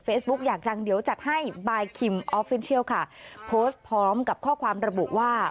เฟซบุ๊กอย่างจังเดี๋ยวจัดให้ค่ะพร้อมกับข้อความระบุว่า